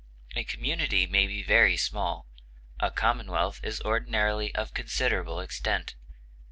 A community may be very small; a commonwealth is ordinarily of considerable extent.